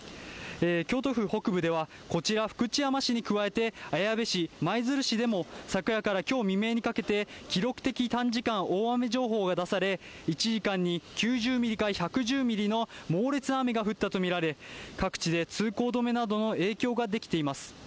京都府北部では、こちら福知山市に加えて、綾部市、舞鶴市でも昨夜からきょう未明にかけて、記録的短時間大雨情報が出され、１時間に９０ミリから１１０ミリの猛烈な雨が降ったと見られ、各地で通行止めなどの影響が出てきています。